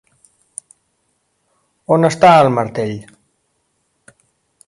On està el martell?